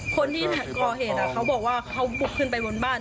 คนที่ก่อเหตุเขาบอกว่าเขาบุกขึ้นไปบนบ้าน